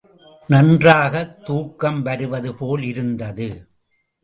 நன்றாகத் தூக்கம் வருவது போல் இருந்தது.